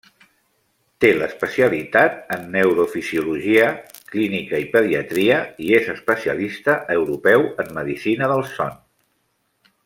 Té l'especialitat en Neurofisiologia, Clínica i Pediatria i és Especialista Europeu en Medecina del Son.